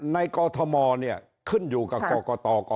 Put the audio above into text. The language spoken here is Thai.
ในกอทมเนี่ยขึ้นอยู่กับกกกก